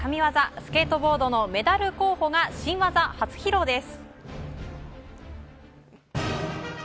スケートボードのメダル候補が新技初披露です。